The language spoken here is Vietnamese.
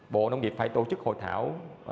bộ nông nghiệp phải tổ chức hội thảo